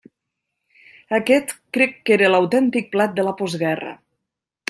Aquest crec que era l'autèntic plat de la postguerra.